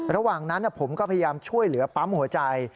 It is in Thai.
ระหว่างนั้นผมก็พยายามช่วยเหลือปั๊มหัวใจ